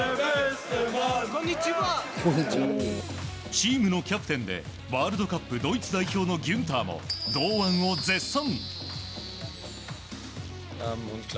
チームのキャプテンでワールドカップ、ドイツ代表のギュンターも堂安を絶賛。